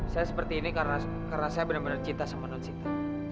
saya seperti ini karena saya benar benar cinta sama non sinta